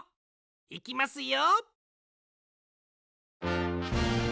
いきますよ。